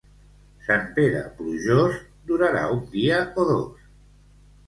Sant Pere plujós, durarà un dia o dos.